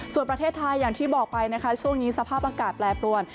ส่วนประเทศไทยอย่างที่บอกไปนะคะช่วงนี้สภาพอากาศแปรปรวน